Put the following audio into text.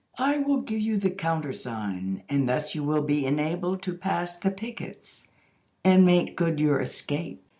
I will give you the counter sign, and thus you will be enabled to pass the pickets, and make good your escape.